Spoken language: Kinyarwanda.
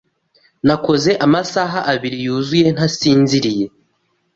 Nakoze amasaha abiri yuzuye ntasinziriye.